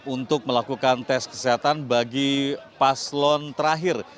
untuk melakukan tes kesehatan bagi paslon terakhir